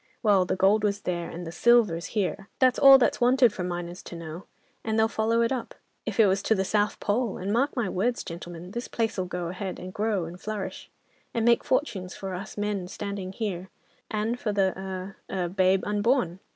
Well, the gold was there, and the silver's here; that's all that's wanted for miners to know, and they'll follow it up, if it was to the South Pole; and mark my words, gentlemen, this place'll go ahead, and grow and flourish, and make fortunes for us men standing here, and for the er—er—babe unborn."